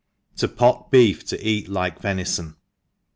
« ^0 pot Beef to eat like Venison.